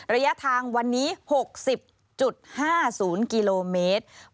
ระยะทางวันนี้๖๐๕๐กิโลเมตร